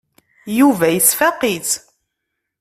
Yuba yesfaq-itt.